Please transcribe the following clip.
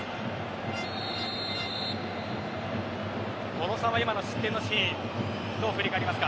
小野さんは今の失点のシーンどう振り返りますか。